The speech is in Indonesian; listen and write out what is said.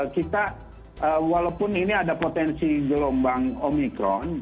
kita walaupun ini ada potensi gelombang omikron